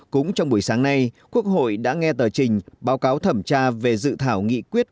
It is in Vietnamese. cũng trong buổi sáng nay quốc hội đã nghe tờ trình báo cáo thẩm tra về dự thảo nghị quyết